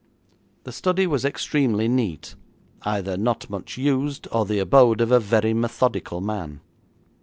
The study was extremely neat, either not much used, or the abode of a very methodical man.